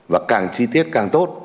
và càng chi tiết càng tốt